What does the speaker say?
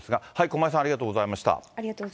駒井さん、ありがとうございました。